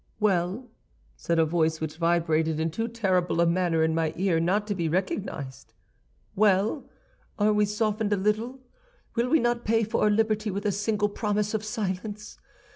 "'Well,' said a voice which vibrated in too terrible a manner in my ear not to be recognized, 'well! Are we softened a little? Will we not pay for our liberty with a single promise of silence?